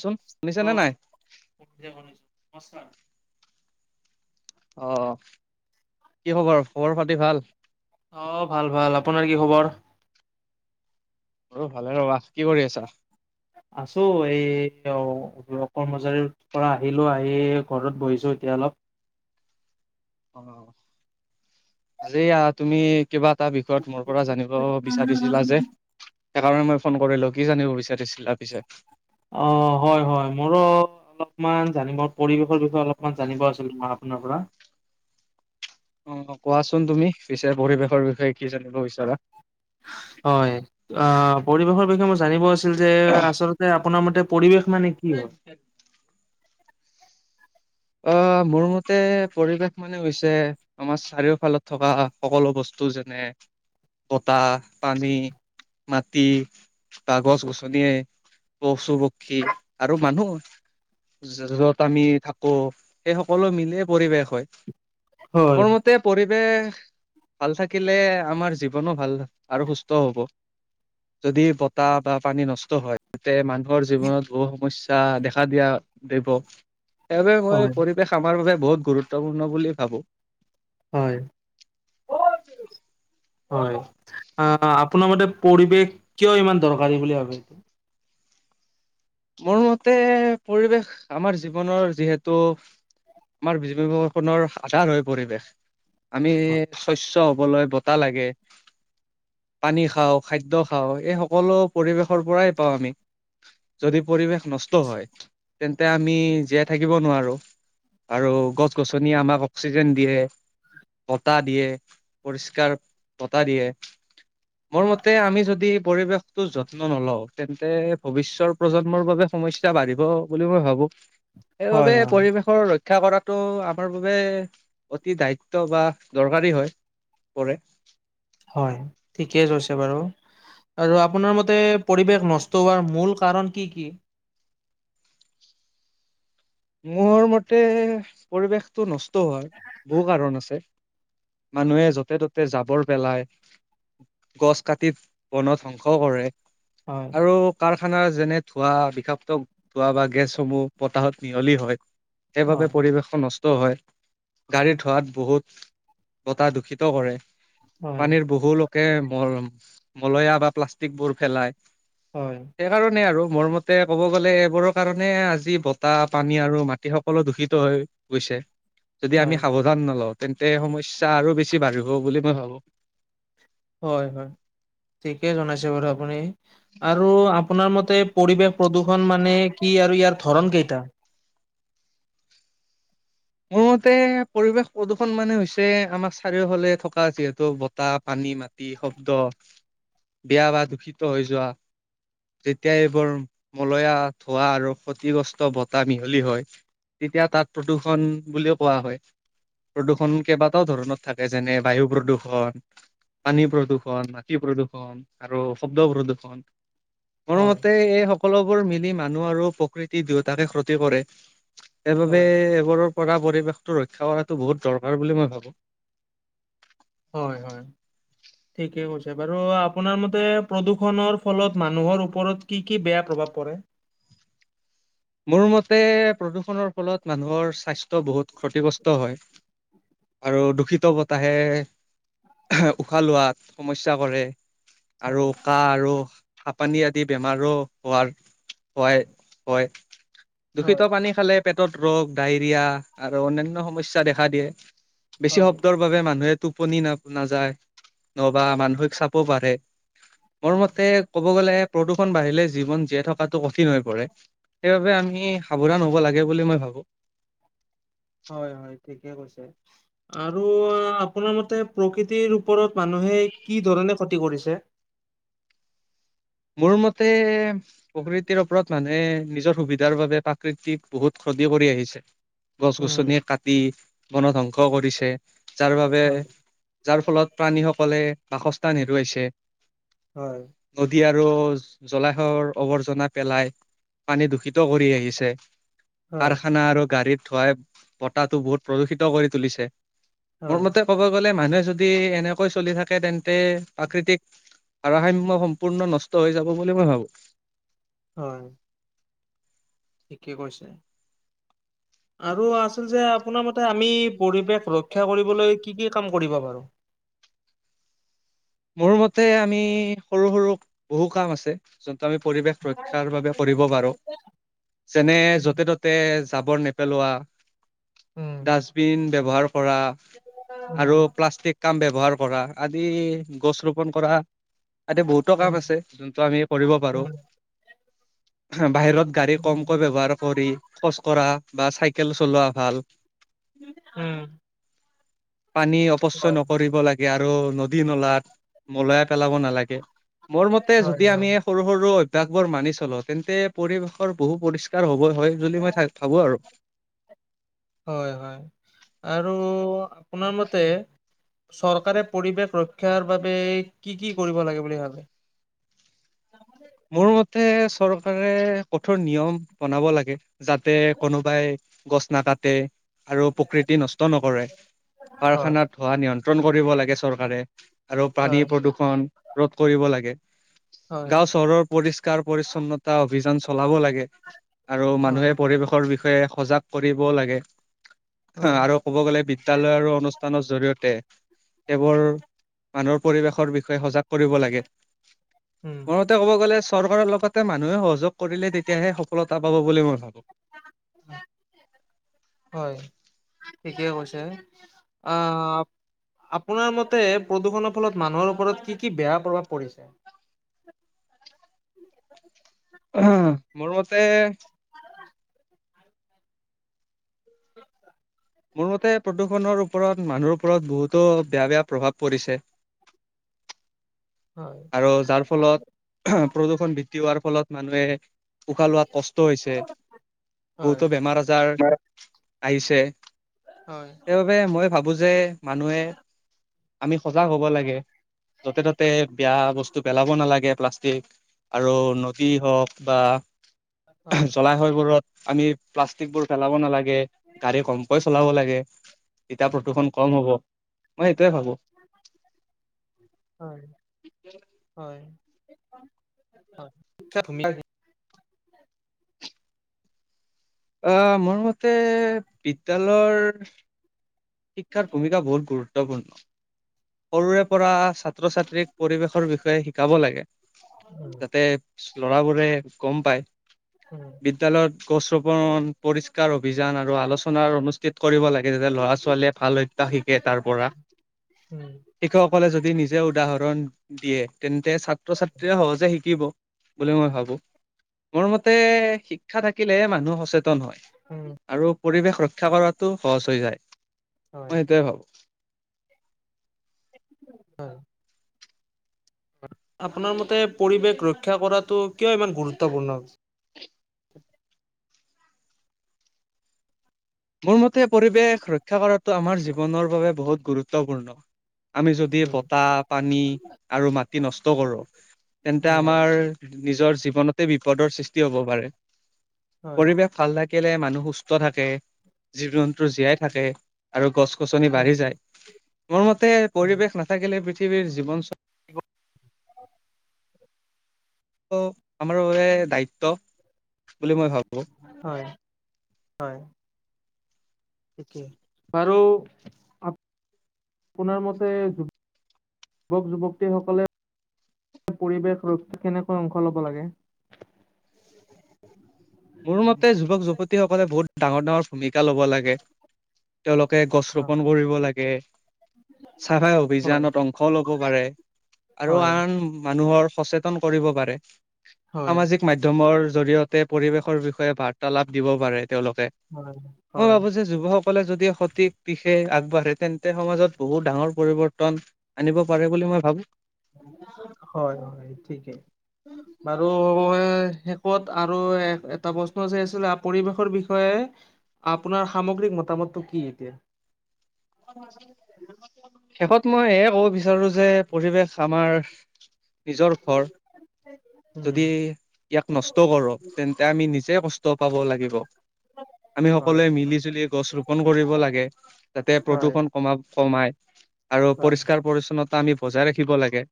চোন, শুনিছে নে নাই? অ এতিয়া শুনিছোঁ, নমস্কাৰ। অ অ কি খবৰ, খবৰ পাতি ভাল? অঁ ভাল ভাল আপোনাৰ কি খবৰ? মোৰো ভালে ৰবা, কি কৰি আছা? আছো এই অ কৰ্মচাৰীৰ পৰা আহিলো, আহি ঘৰত বহিছোঁ এতিয়া অলপ। অআজি তুমি কিবা এটা বিষয়ত মোৰ পৰা জানিব বি বিচাৰিছিলা যে, সেইকাৰণে মই ফোন কৰিলো কি জানিব বিচাৰিছিলা পিছে? অঁ হয় হয়, মোৰো অলপমান জানিব পৰিৱেশৰ বিষয়ে অলপমান জানিব আছিল তোমাৰ আপোনাৰ পৰা। অঁ কোৱাচোন তুমি পিছে পৰিৱেশৰ বিষয়ে কি জানিব বিচৰা। হয়, আঁহ পৰিৱেশৰ বিষয়ে মই জানিব আছিল যে আচলতে আপোনাৰ মতে পৰিৱেশ মানে কি হয় [unintelligible] অঁ মোৰ মতে পৰিৱেশ মানে হৈছে, আমাৰ চাৰিওফালে থকা সকলো বস্তু যেনে, বতাহ, পানী, মাটি বা গছ গছনিয়ে পশু পক্ষী আৰু মানুহ যত আমি থাকো, সেই সকলো মিলিয়ে পৰিৱেশ হয়, হয় মোৰ ম গোটেই পৰিৱেশ ভাল থাকিলে আমাৰ জীৱনো ভাল আৰু সুস্থ হব। যদি বতাহ বা পানী নষ্ট হয় তেন্তে মা নুহৰ জীৱনত বহু সমস্যা দেখা দিয়া দিব। সেইবাবে মই হয় পৰিৱেশ আমাৰ বাবে বহুত গুৰুত্বপূৰ্ণ বুলি ভাবোঁ। হয়। [inaudible] হয়, আ আপোনাৰ মতে পৰিৱেশ, কিয় ইমান দৰকাৰী বুলি ভাবে? মোৰ মতে, পৰিৱেশ আমাৰ জীৱনৰ যিহেতু আমাৰ জীৱ দৰ্শনৰ আধাৰ হয় পৰিৱেশ। আমি স্বচ্ছ হবলৈ বতাহ লাগে। পানী খাওঁ, খাদ্য খাওঁ এই সকলো পৰিৱেশৰ পৰাই পাওঁ আমি। যদি পৰিৱেশ নষ্ট হয়, তেন্তে আমি জীয়াই থাকিব নোৱাৰোঁ। আৰু গছ গছনি আমাক অক্সি জেন দিয়ে, বতাহ দিয়ে পৰিষ্কাৰ বতাহ দিয়ে। মোৰ মতে, আমি যদি পৰিৱেশটো যত্ন নলওঁ, তেন্তে ভৱিষ্যৰ প্ৰজন্মৰ বাবে সমস্যা বাঢ়িব বুলি মই ভাবোঁ। হয় সেইবাবে হয় পৰিৱেশ ৰ, ৰক্ষা কৰাটো আমাৰ বাবে, অতি দায়িত্ব বা দৰকাৰী হয়। পৰে। হয়, ঠিকে কৈছে বাৰু, আৰু আপোনাৰ মতে পৰিৱেশ নষ্ট হোৱাৰ মূল কাৰণ কি কি? মোৰ মতে, পৰিৱেশটো নষ্ট হোৱাৰ, বহু কাৰণ আছে। মানুহে য'তে ত'তে জাবৰ পেলায়। গছ কাটি বনৰ ধ্বংস কৰে। হয়। আৰু কাৰখানা যেনে ধোঁৱা বিষাক্ত, ধোঁৱা বা গেছসমূহ বতাহত মিহলি হয়। সেই বাবে হয়, পৰিৱেশৰ ন ষ্ট হয়, গাড়ী ধোঁৱাত বহুত বতাহ দূষিত কৰে। হয়, পানীৰ বহু লোকে ম মলয়া বা প্লাষ্টিক বোৰ ফলায় হয়। সেইকাৰণে আৰু, মোৰ মতে ক'ব গ'লে এইবোৰৰ কাৰণে আজি ব তাহ, পানী আৰু মাটি সকলো দূষিত হৈ গৈছে, যদি হয়, আমি সাব ধান নলওঁ, তেন্তে সমস্যা আৰু বেছি বাঢ়িব বুলি মই ভাৱোঁ। হয় হয়, ঠিকেই জনাইছে বাৰু আপুনি। আৰু আপোনাৰ মতে পৰিৱেশ প্ৰদূষণ মানে কি আৰু ইয়াৰ ধৰণ কেইটা? মোৰ মতে পৰিৱেশ প্ৰদূষণ মানে হৈছে আমাৰ চাৰিওফালে থকা যিহেতু বতাহ, পানী, মা টি, শব্দ, বেয়া বা দূষিত হৈ যোৱা যেতিয়া এইবোৰ মলয়া ধোঁৱা আৰু ক্ষতিগ্ৰস্ত বতাহ মিহলি হয় তেতিয়া তাত প্ৰদূষণ বুলিও কোৱা হয়। প্ৰদূষণ কেইবাটাও ধৰণত থাকে, যেনে বায়ু প্ৰদূষণ পানী প্ৰদূষণ, মাটি প্ৰদূষণ আৰু শব্দ হয়, প্ৰদূষণ, মোৰ হয়, মতে এই শব্ সকলোবোৰ মিলি মানুহ আৰু প্ৰকৃতি দুয়োটাকে ক্ষতি কৰে, সেইবাবে হয়, ওপৰৰ পৰা পৰিৱেশটো ৰক্ষা কৰাটো বহুত দৰকাৰ বুলি মই ভাবোঁ। হয় হয়। [inaudible] ঠিকেই কৈছে, বাৰু আপোনাৰ মতে প্ৰদূষণৰ ফলত মানুহৰ ওপৰত কি কি বেয়া প্ৰভাৱ পৰে? মোৰ মতে প্ৰদূষণৰ ফলত মানুহৰ স্বাস্থ্য বহুত ক্ষতিগ্ৰস্ত হয়। আৰু দূষিত বতাহে উশাহ লোৱাত সমস্যা কৰে আৰু হয়, কাহ আৰু হাপানি আদি বেমাৰো হোৱাৰ ভয় হয়। দূষিত হয়, পানী খালে পেটত ৰোগ, ডায়েৰিয়া আৰু অন্যান্য সমস্যা দেখা দিয়ে। বেছি হয়, শব্দৰ বাবে মানুহে টোপনি ন-নাযায় নহ'বা মানসিক চাপো বাঢ়ে। মোৰ হয়, মতে ক'ব গ'লে প্ৰদূষণ বাঢ়িলে জীৱন জীয়াই থকাটো কঠিন হৈ পৰে। সেইবাবে আমি সাৱধান হ'ব লাগে বুলি মই ভাৱোঁ। হয় হয়, ঠিকেই কৈছে, আৰু আপোনাৰ মতে প্ৰকৃতিৰ ওপৰত মানুহে কি ধৰণে ক্ষতি কৰিছে? মোৰ মতে প্ৰকৃতিৰ ওপৰত মানুহে নিজৰ সুবিধাৰ বাবে প্ৰাকৃতিক বহুত ক্ষতি কৰি আহিছে। উম। গছ-গছনি কাটি বন ধ্বংস কৰিছে, যাৰ বাবে হয়, যাৰ ফলত প্ৰাণীসকলে বাসস্থান হেৰুৱাইছে। হয়। টি আৰু জলাশয়ৰ আৱৰ্জনা পেলাই পানী দূষিত কৰি আহিছে। হয়, কাৰখানা আৰু গাড়ীৰ ধোঁৱাই বতাহটো বহুত প্ৰদূষিত কৰি তুলিছে, মোৰ হয়, মতে ক'ব গ'লে মানুহে যদি এনেকৈ চলি থাকে, তেন্তে প্ৰাকৃতিক ভাৰসাম্য সম্পুৰ্ণ নষ্ট হৈ যাব বুলি মই ভাৱোঁ। হয়। ঠিকেই কৈছে। আৰু আছিল যে আপোনাৰ মতে আমি পৰিৱেশ ৰক্ষা কৰিবলৈ কি কি কাম কৰিব পাৰোঁ? মোৰ মতে আমি সৰু সৰু বহু কাম আছে। যোনটো আমি পৰিৱেশ ৰক্ষাৰ বাবে কৰিব পাৰো। যেনে উম, য'তে-ত'তে জাৱৰ নেপেলোৱা উম, ডাষ্টবিন ব্যৱহাৰ কৰা আৰু প্লাষ্টিক কাম ব্যৱহাৰ কৰা, আদি গছ ৰোপণ কৰা আদি বহুতো উম, কাম আছে যোনটো আমি কৰিব পাৰো, উম, বাহিৰত গাড়ী কমকৈ ব্যৱহাৰ কৰি খোজ কঢ়া বা চাইকেল চলোৱা ভাল। উম। পানী অপচয় হয়, নকৰিব লাগে আৰু নদী নলাত নলাই পেলাব নালাগে। মোৰ মতে হয়, যদি হয়। আমি সৰু সৰু অভ্যাসবোৰ মানি চলো তেন্তে পৰিৱেশৰ বহু পৰিস্কাৰ হ'বৰ হয়। বুলি মই ভাবো আৰু। হয় হয় আৰু আপোনাৰ মতে চৰকাৰে পৰিৱেশ ৰক্ষাৰ বাবে কি কি কৰিব লাগে বুলি ভাবে? মোৰ মতে চৰকাৰে কঠোৰ নিয়ম বনাব লাগে যাতে কোনোবাই গছ নাকাতে। আৰু প্ৰকৃতি নষ্ট নকৰে, হয়, কাৰখানাত ধোৱা নিয়ন্ত্ৰণ কৰিব লাগে চৰকাৰে। আৰু পানী হয়, প্ৰদূষণ ৰোধ কৰিব লাগে, হয়, গাও চহৰৰ পৰিষ্কাৰ পৰিছন্নতা অভিযান চলাব লাগে। আৰু হয়, মানুহে পৰিৱেশৰ বিষয়ে সজাগ কৰিবও লাগে হয়, আৰু ক'ব গ'লে বিদ্যালয় আৰু অনুষ্ঠানৰ জৰিয়তে সেইবোৰ মানুহৰ পৰিৱেশৰ বিষয়ে সজাগ কৰিব লাগে। উম। তে ক'ব গ'লে চৰকাৰৰ লগতে মানুহে সহযোগ কৰিলে তেতিয়াহে সফলতা পাব বুলি মই ভাবো। হয় ঠিকে কৈছে আহ আপোনাৰ মতে প্ৰদূষণৰ ফলত মানুহৰ ওপৰত কি কি বেয়া প্ৰভাৱ পৰিছে? উম মোৰ মতে মোৰ মতে প্ৰদূষণৰ ওপৰত মানুহৰ ওপৰত বহুতো বেয়া বেয়া প্ৰভাৱ পৰিছে। হয়। আৰু যাৰ ফলত প্ৰদূষণ বৃদ্ধি হোৱাৰ ফলত মানুহে উশাহ লোৱাত কষ্ট হৈছে, হয়। বহুতো বেমাৰ আজাৰ হয়, আহিছে। হয়। সেইবাবে মই ভাবো যে মানুহে আমি সজাগ হ'ব লাগে। যতে ততে বেয়া বস্তু পেলাব নালাগে প্লাষ্টিক আৰু নদী হওক বা জলাশয়বোৰত আমি প্লাষ্টিকবোৰ পেলাব নালাগে, গাড়ী কম পইচ চলাব লাগে, তেতিয়া প্ৰদূষণ কম হ'ব, মই সেইটোয়ে ভাবো। হয় হয়। [unintelligible] অ মোৰ মতে বিদ্যালয়ৰ শিক্ষাৰ ভূমিকা বহুত গুৰুত্বপূৰ্ণ। সৰুৰে পৰা ছাত্ৰ ছাত্ৰীক পৰিৱেশৰ বিষয়ে শিকাব লাগে। উম, যাতে ল'ৰাবোৰে গম পায়। উম, বিদ্যালয়ত গছ ৰূপন পৰিস্কাৰ অভিযান আৰু আলোচনাৰ অনুষ্ঠান কৰিব লাগে তেতিয়া ল'ৰা ছোৱালীয়ে ভাল অভ্যাস শিকে তাৰ পৰা। শিক্ষকসকলে যদি নিজে উদাহৰণ দিয়ে তেন্তে ছাত্ৰ ছাত্ৰী য়ে সহজে শিকিব। বুলি মই ভাবো। মোৰ মতে শিক্ষা থাকিলেহে মানুহ সচেতন হয়। উম। আৰু পৰিৱেশ ৰক্ষা কৰাতো সহজ হৈ যায় হয়। মই সেইটোয়ে ভাবো। হয়। আপোনাৰ মতে পৰিৱেশ ৰক্ষা কৰাটো কিয় ইমান গুৰুত্বপূৰ্ণ? মোৰ মতে পৰিৱেশ ৰক্ষা কৰাটো আমাৰ জীৱনৰ বাবে বহুত গুৰুত্বপূৰ্ণ। আমি যদি উম, বতাহ পানী আৰু মাটি নষ্ট কৰোঁ তেন্তে উম, আমাৰ নিজৰ জীৱনতে বিপদৰ সৃষ্টি হ'ব পাৰে, হয়, পৰিৱেশ ভাল থাকিলে মানুহ সুস্থ থাকে। জীৱ-জন্তু জীয়াই থাকে আৰু গছ-গছনি উম, বাঢ়ি যায়, মোৰ উম, পৰিৱেশ নাথ থাকিলে পৃথিৱীৰ জীৱন আমাৰো দায়িত্ব বুলি মই ভাবোঁ। হয়, হয়। বাৰু আপোনাৰ মতে যুৱক-যুৱতী সকলে পৰিৱেশ ৰক্ষা কেনেকৈ অংশ ল'ব লাগে? মোৰ মতে যুৱক-যুৱতীসকলে বহুত ডাঙৰ ডাঙৰ ভূমিকা ল'ব লাগে। তেওঁলোকে গছ হয়, ৰোপন কৰিব লাগে। চাফাই হয়, অভিযানত অংশ ল'ব পাৰে আৰু হয়, আন মানুহৰ সচেতন সচেতন কৰিব পাৰে হয়, সামাজিক মাধ্যমৰ জৰিয়তে পৰিবেশ ৰ বিষয়ে বাৰ্তালাপ দিব পাৰে তেওঁলোকে। হয়, হয়। যুৱকসকলে যদি সঠিক দিশে আগবাঢ়ে তেন্তে সমাজত বহুত ডাঙৰ পৰিৱৰ্তন আনিব পাৰে বুলি মই ভাবো। হয়, হয়, ঠিকে। বাৰু শেষত আৰু এটা প্ৰশ্ন যে আছিলে পৰিৱেশৰ বিষয়ে আপোনাৰ সামগ্ৰিক মতামতটো কি এতিয়া? শেষত মই এয়াই ক'ব বিচাৰো যে পৰিৱেশ আমাৰ নিজৰ ঘৰ। উম, যদি ইয়াক নষ্ট কৰো তেন্তে আমি নিজে কষ্ট পাব লাগিব। আমি হয়, সকলোৱে মিলি-জুলি গছ ৰোপন কৰিব লাগে যাতে হয়, প্ৰদূষন কমা কমাই আৰু হয়, পৰিষ্কাৰ পৰিছন্নতা আমি বজাই ৰাখিব লাগে,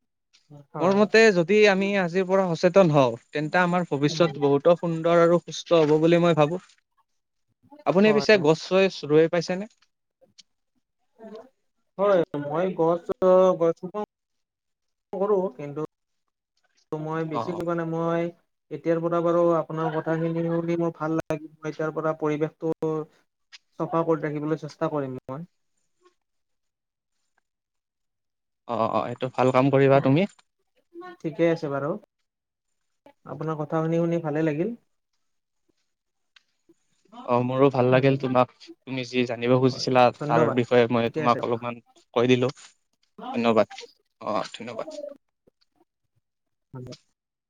মোৰ হয়, মতে যদি আমি আজিৰ পৰা সচেতন হওঁ তেন্তে আমাৰ উম, ভবিষ্যত বহুতো সুন্দৰ আৰু সুস্থ হ'ব বুলি মই ভাবো, আপুনি পিছে হয়। গছ-চছ ৰুই পাইছেনে? হয়, মই গছ গছ ৰোপণ কৰো কিন্তু ত' মই অ অ বেছিকৈ মানে মই এতিয়াৰ পৰা বাৰু আপোনাৰ কথাখিনি শুনি মোৰ ভাল লাগিল, এতিয়াৰ পৰা পৰিৱেশটো চফা কৰি ৰাখিবলৈ চেষ্টা কৰিম মই। অ', অ', অ', সেইটো ভাল কাম কৰিবা তুমি। ঠিকেই আছে বাৰু। আপোনাৰ কথা শুনি শুনি ভালে লাগিল। অ', মোৰো ভাল উম, লাগিল তোমাক তুমি যি জানিব হয় খুজিছিলা তাৰ ধন্যবাদ বিষয়ে মই ঠিকে তোমাক আছে। অলপমান কৈ দিলো ধন্যবাদ অ', ধন্যবাদ। [unintelligible]